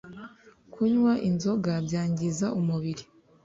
kunywa inzoga byangiza umubiri